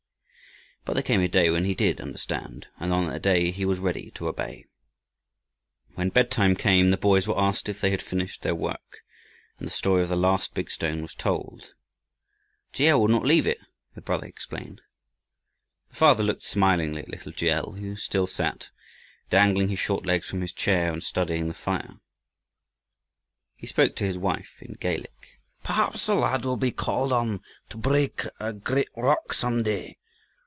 But there came a day when he did understand, and on that day he was ready to obey. When bedtime came the boys were asked if they had finished their work, and the story of the last big stone was told. "G. L. would not leave it," the brother explained. The father looked smilingly at little G. L. who still sat, dangling his short legs from his chair, and studying the fire. He spoke to his wife in Gaelic. "Perhaps the lad will be called to break a great rock some day.